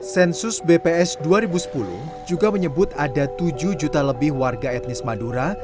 sensus bps dua ribu sepuluh juga menyebut ada tujuh juta lebih warga etnis madura